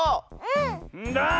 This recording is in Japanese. んだ！